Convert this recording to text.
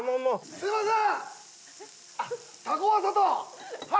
すみません！